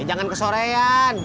eh jangan kesorean